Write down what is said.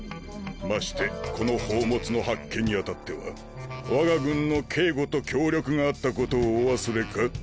ましてこの宝物の発見に当たってはわが軍の警護と協力があったことをお忘れか？